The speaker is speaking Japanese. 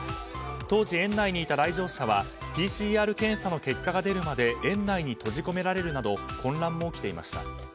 当時、園内にいた来場者はＰＣＲ検査の結果が出るまで園内に閉じ込められるなど混乱も起きていました。